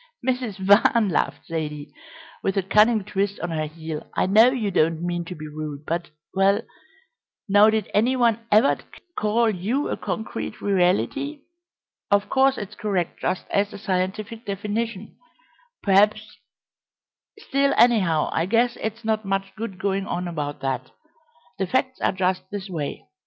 "Mrs. Van," laughed Zaidie, with a cunning twist on her heel, "I know you don't mean to be rude, but well, now did any one ever call you a concrete reality? Of course it's correct just as a scientific definition, perhaps still, anyhow, I guess it's not much good going on about that. The facts are just this way.